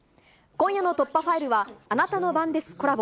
今夜の突破ファイルは、あなたの番ですコラボ。